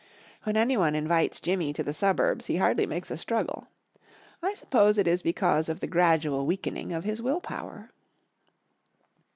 When any one invites Jimmy to the suburbs he hardly makes a struggle. I suppose it is because of the gradual weakening of his will power.